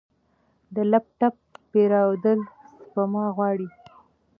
د لپ ټاپ پیرودل سپما غواړي.